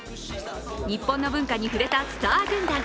日本の文化に触れたスター軍団。